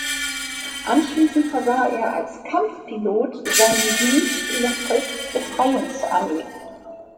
Anschließend versah er als Kampfpilot seinen Dienst in der Volksbefreiungsarmee.